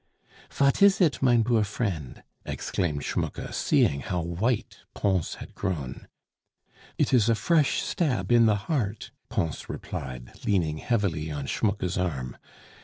"Vat is it, mine boor friend?" exclaimed Schmucke, seeing how white Pons had grown. "It is a fresh stab in the heart," Pons replied, leaning heavily on Schmucke's arm.